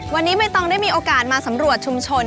วันนี้ใบตองได้มีโอกาสมาสำรวจชุมชน